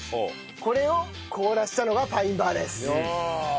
これを凍らせたのがパインバーです。